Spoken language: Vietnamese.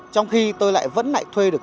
trong khi tôi lại vẫn lại thuê được